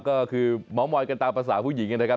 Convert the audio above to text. ก็คือเม้ามอยกันตามภาษาผู้หญิงนะครับ